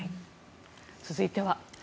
続いては。